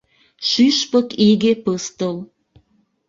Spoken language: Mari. Шÿшпык иге пыстыл